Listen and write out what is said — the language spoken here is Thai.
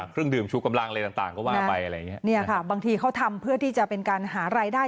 ครึ่งดื่มชุดกำลังอะไรต่างก็ว่าไปบางทีเขาทำเพื่อที่จะเป็นการหารายได้